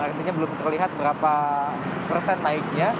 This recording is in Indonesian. artinya belum terlihat berapa persen naiknya